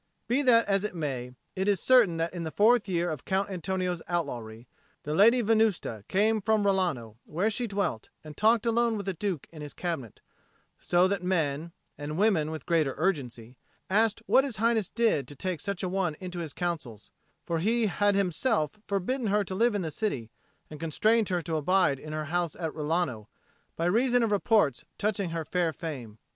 Be that as it may, it is certain that in the fourth year of Count Antonio's outlawry, the Lady Venusta came from Rilano, where she dwelt, and talked alone with the Duke in his cabinet; so that men (and women with greater urgency) asked what His Highness did to take such a one into his counsels; for he had himself forbidden her to live in the city and constrained her to abide in her house at Rilano, by reason of reports touching her fair fame.